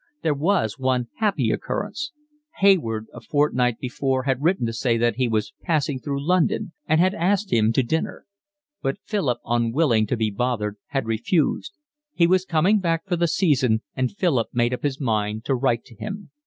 There was one happy occurrence: Hayward a fortnight before had written to say that he was passing through London and had asked him to dinner; but Philip, unwilling to be bothered, had refused. He was coming back for the season, and Philip made up his mind to write to him.